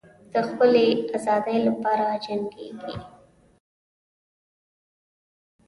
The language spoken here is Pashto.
د خپلې آزادۍ لپاره جنګیږي.